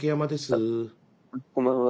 こんばんは。